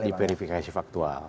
tidak diverifikasi faktual